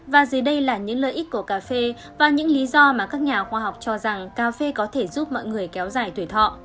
và gì đây là những lợi ích của cà phê và những lý do mà các nhà khoa học cho rằng cà phê có thể giúp mọi người kéo dài tuổi thọ